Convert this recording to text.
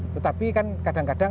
tetapi kan kadang kadang